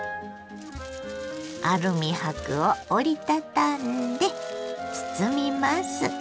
アルミ箔を折り畳んで包みます。